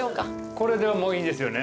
これもういいですよね？